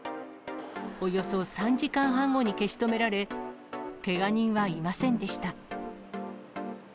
およそ３時間半後に消し止められ、けが人はいませんでした。